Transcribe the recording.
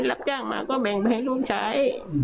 รับจ้างมาก็แบ่งไปให้ลูกใช้